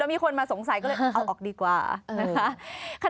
มีคนมาสงสัยก็เลยเอาออกดีกว่านะคะ